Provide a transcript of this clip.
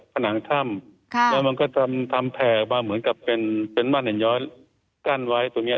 ผนังถ้ำแล้วมันก็ทำแผ่มาเหมือนกับเป็นบ้านแห่งย้อยกั้นไว้ตรงเนี้ย